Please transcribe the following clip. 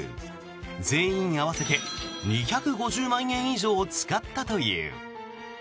全員合わせて２５０万円以上使ったという。